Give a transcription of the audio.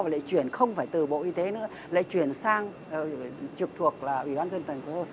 và lại chuyển không phải từ bộ y tế nữa lại chuyển sang trực thuộc là ủy ban dân tầng của hồ